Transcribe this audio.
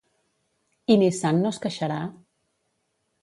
I Nissan no es queixarà?